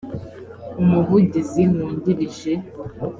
umuvugizi wungirije